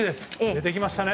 出てきましたね